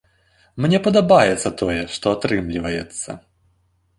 Мне падабаецца тое, што атрымліваецца.